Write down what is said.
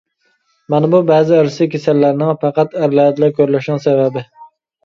مانا بۇ بەزى ئىرسىي كېسەللەرنىڭ پەقەت ئەرلەردىلا كۆرۈلۈشىنىڭ سەۋەبى.